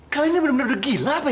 kalian ini bener bener udah gila apa ya